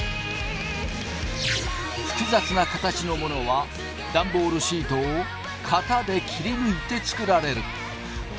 複雑な形のものはダンボールシートを型で切り抜いて作られる。